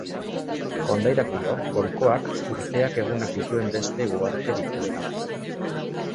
Kondairak dio golkoak urteak egunak dituen beste uharte dituela.